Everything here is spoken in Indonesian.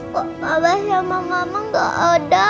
kok papa sama mama gak ada